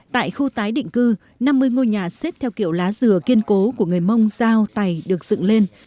tại khu tái định cư năm mươi ngôi nhà xếp theo kiểu lá dừa kiên cố của người mông dao tày được dựng lên